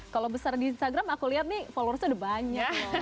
kalau besar di instagram aku lihat nih followersnya udah banyak